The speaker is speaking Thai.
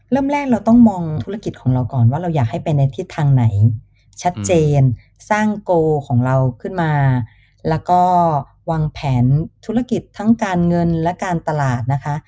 เริ่มแรกเราต้องมองธุรกิจของเราก่อนว่าเราอยากให้ไปในทิศทางไหนชัดเจนสร้างโกของเราขึ้นมาแล้วก็วางแผนธุรกิจทั้งการเงินและการตลาดนะคะ